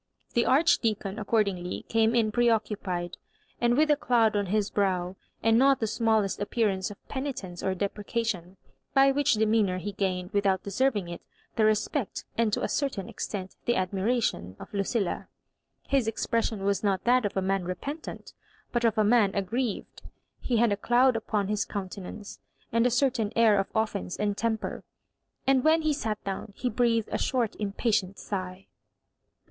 The Archdeacon, accordingly, came in preoccupied, and with a <doud on his brow, and not the smallest appearance of penitence or deprecation; by which demeanour he gained, without deserving it, the respect, and to a certain extent the admiration, of Lucilla. His expres sion was not that of a man. repentant, but of a man aggrieved. He had a cloud upon his coun tenance, and a certain air of offence and temper ; and when he sat down, he breathed a short im patient sigh.